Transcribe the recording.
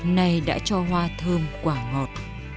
này đã cho hoa thơm quả ngọt